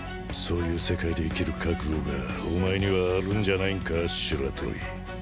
そういう世界で生きる覚悟がお前にはあるんじゃないんか白鳥。